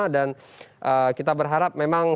dan kita berharap memang